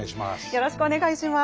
よろしくお願いします。